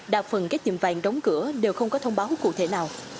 đa phần các tiệm vàng đóng cửa đều không có thông báo cụ thể nào